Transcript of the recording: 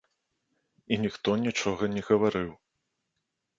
І ніхто нічога не гаварыў.